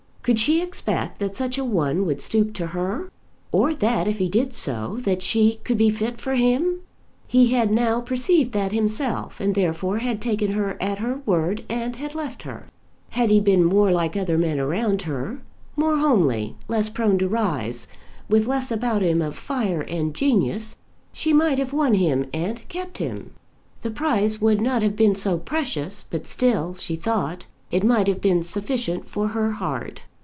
Could she expect that such a one would stoop to her? or that if he did so that she could be fit for him? He had now perceived that himself, and therefore had taken her at her word, and had left her. Had he been more like other men around her; more homely, less prone to rise, with less about him of fire and genius, she might have won him and kept him. The prize would not have been so precious; but still, she thought, it might have been sufficient for her heart.